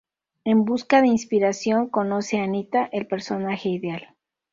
En busca de inspiración, conoce a Anita, el personaje ideal.